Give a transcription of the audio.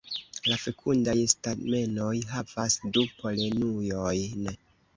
La fekundaj stamenoj havas du polenujojn.